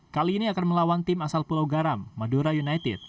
kali ini akan melawan tim asal pulau garam madura united